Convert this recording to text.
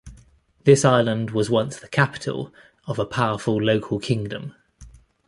This island was once the capital of a powerful local kingdom.